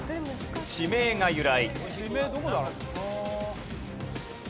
地名が由来。